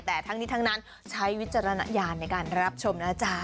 แต่ทั้งนี้ทั้งนั้นใช้วิจารณญาณในการรับชมนะจ๊ะ